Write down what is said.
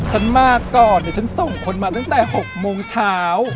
ฉันมาก่อนเดี๋ยวฉันส่งคนมาตั้งแต่๖โมงเช้า